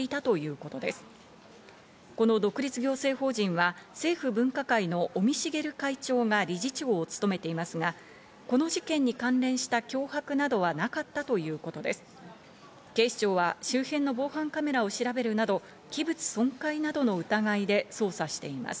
この独立行政法人は政府分科会の尾身茂会長が理事長を務めていますが、この事件に関連した脅迫などはなかったということです。